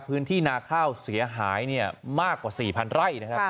พื้นที่นาข้าวเสียหายมากกว่า๔๐๐ไร่นะครับ